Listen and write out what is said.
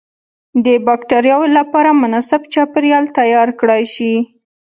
د بکترياوو لپاره مناسب چاپیریال تیار کړای شي.